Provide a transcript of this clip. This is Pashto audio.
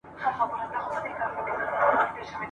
یو سکندر سي بل چنګیز بل یې هټلر سي ..